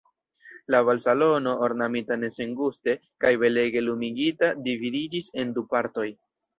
La balsalono, ornamita ne senguste, kaj belege lumigita, dividiĝis en du partoj.